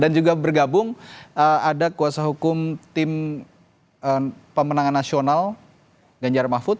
dan juga bergabung ada kuasa hukum tim pemenangan nasional ganjar mahfud